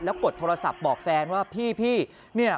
แล้วกดโทรศัพท์บอกแฟนว่าพี่